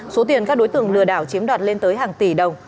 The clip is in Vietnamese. số tiền các đối tượng lừa đảo chiếm đoạt lên tới hàng tỷ đồng